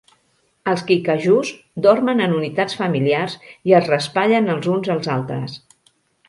Els kikajús dormen en unitats familiars i es raspallen els uns als altres.